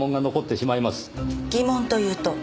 疑問というと？